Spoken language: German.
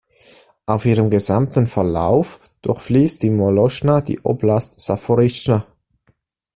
Auf ihrem gesamten Verlauf durchfließt die Molotschna die Oblast Saporischschja.